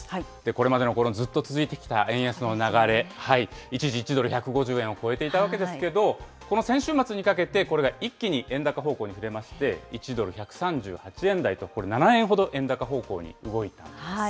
これまでのこのずっと続いてきた円安の流れ、一時１ドル１５０円を超えていたわけですけれども、この先週末にかけて、これが一気に円高方向にふれまして、１ドル１３８円台と、７円ほど円高方向に動いたんです。